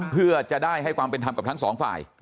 เพื่อจะได้ให้ความเป็นธรรมกับทั้งสองฝ่าย